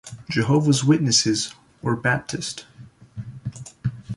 Jehovah's Witnesses or Baptist.